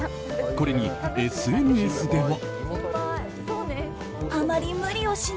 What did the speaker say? これにＳＮＳでは。